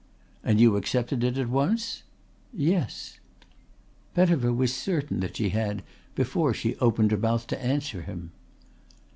"And you accepted it at once?" "Yes." Pettifer was certain that she had before she opened her mouth to answer him.